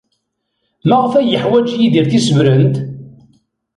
Maɣef ay yeḥwaj Yidir tisebrent?